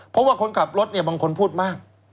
เพราะว่าคนขับรถเนี่ยบางคนพูดมาก